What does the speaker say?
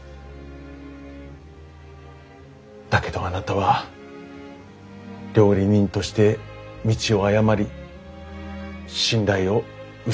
だけどあなたは料理人として道を誤り信頼を失ってしまった。